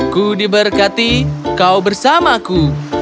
ku diberkati kau bersamaku